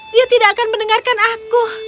dia tidak akan mendengarkan aku